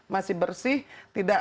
masih bersih tidak